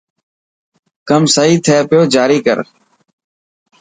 ڪم سهي ٿي پوي جاري ڪر.